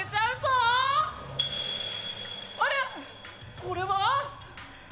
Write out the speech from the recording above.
これは？